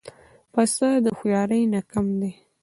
پسه د هوښیارۍ نه کم دی.